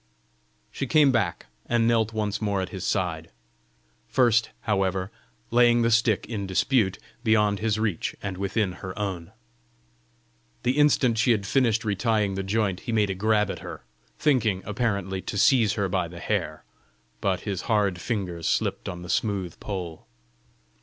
She came back, and knelt once more at his side first, however, laying the stick in dispute beyond his reach and within her own. The instant she had finished retying the joint, he made a grab at her, thinking, apparently, to seize her by the hair; but his hard fingers slipped on the smooth poll.